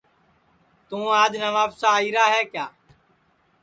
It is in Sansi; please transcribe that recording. توں آج نوابشاہ آئیرا ہے کیا